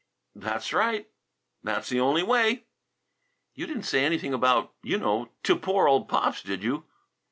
"That's right; that's the only way." "You didn't say anything about you know to poor old Pops, did you?"